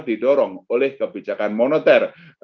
didorong oleh kebijakan moneter